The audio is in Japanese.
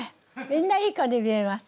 みんないい子に見えます。